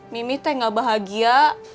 mimi teh gak bahagia